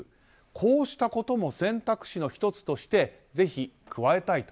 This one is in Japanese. こうしたことも選択肢の１つとしてぜひ加えたいと。